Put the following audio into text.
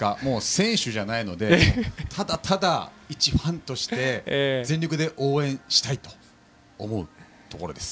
選手じゃないのでただただ、一ファンとして全力で応援したいと思うところです。